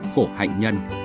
khổ hạnh nhân